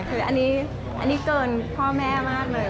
คืออันนี้เกินพ่อแม่มากเลย